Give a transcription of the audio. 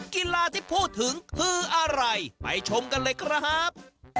กีฬาที่พูดถึงคืออะไรไปชมกันเลยครับ